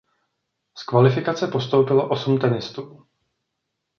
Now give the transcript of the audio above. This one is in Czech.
Z kvalifikace postoupilo osm tenistů.